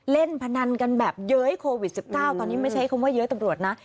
เล่นพนันกันแบบเยอะไอ้โควิดสิบเก้าตอนนี้ไม่ใช่คำว่าเยอะไอ้ตำรวจนะ